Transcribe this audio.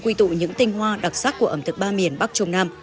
quy tụ những tinh hoa đặc sắc của ẩm thực ba miền bắc trung nam